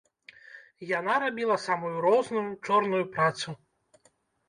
Яна рабіла самую розную чорную працу.